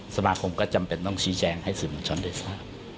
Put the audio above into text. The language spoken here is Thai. สมาคมก็จำเป็นต้องชี้แจงให้สื่อมวลชนได้ทราบ